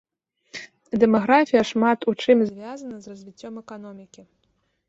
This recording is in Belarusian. Дэмаграфія шмат у чым звязана з развіццём эканомікі.